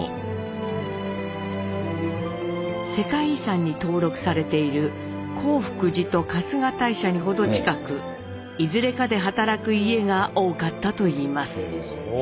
世界遺産に登録されている興福寺と春日大社に程近くいずれかで働く家が多かったといいます。